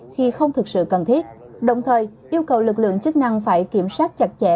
khi không thực sự cần thiết đồng thời yêu cầu lực lượng chức năng phải kiểm soát chặt chẽ